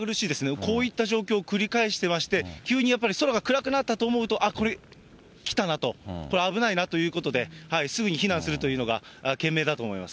こういった状況、繰り返してまして、急にやっぱり空が暗くなったと思ったら、あっ、これ、きたなと、危ないなということで、すぐに避難するというのが賢明だと思います。